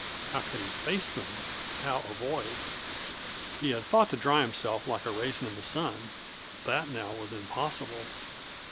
How could he face them, how avoid? He had thought to dry himself like a raisin in the sun; that now was impossible.